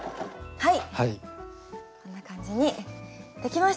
はい。